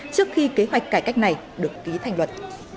trước khi kế hoạch cải cách này được ký thành luật